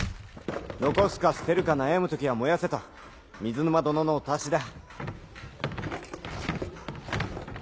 残すか捨てるか悩む時は燃やせと水沼殿のお達しだ。